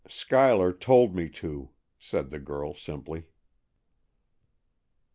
"Schuyler told me to," said the girl simply.